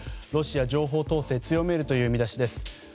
ロシア情報統制強めるという見出しです。